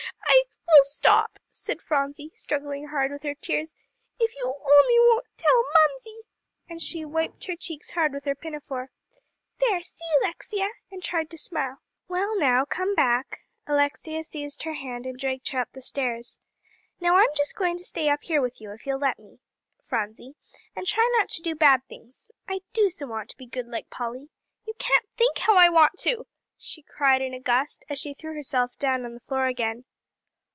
"I will stop," said Phronsie, struggling hard with her tears, "if you only won't tell Mamsie," and she wiped her cheeks hard with her pinafore. "There, see, Alexia," and tried to smile. "Well, now, come back." Alexia seized her hand, and dragged her up the stairs. "Now I'm just going to stay up here with you, if you'll let me, Phronsie, and try not to do bad things. I do so want to be good like Polly. You can't think how I want to," she cried in a gust, as she threw herself down on the floor again.